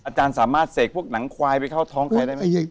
อาจารย์สามารถเสกพวกหนังควายไปเข้าท้องใครได้ไหม